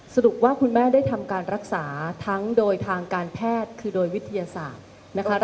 สรุปว่าคุณแม่ได้ทำการรักษาทั้งโดยทางการแพทย์คือโดยวิทยาศาสตร์นะคะ